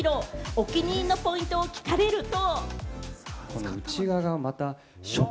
お気に入りのポイントを聞かれると。